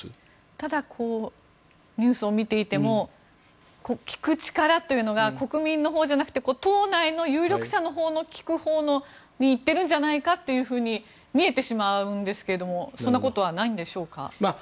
ただニュースを見ていても聞く力というのが国民のほうじゃなくて党内の有力者のほうの聞くほうに行ってるんじゃないかと見えてしまうんですがそんなことはないんでしょうか。